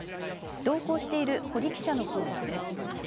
同行している堀記者の報告です。